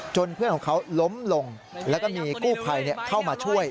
เพื่อนของเขาล้มลงแล้วก็มีกู้ภัยเข้ามาช่วย